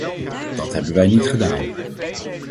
Dat hebben wij niet gedaan.